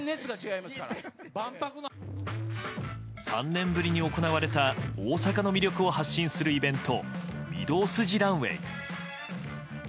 ３年ぶりに行われた大阪の魅力を発信するイベント御堂筋ランウェイ。